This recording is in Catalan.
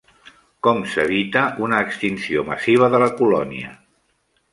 Com s'evita una extinció massiva de la colònia.